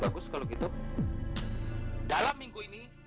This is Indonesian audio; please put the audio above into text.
aku tidak berniat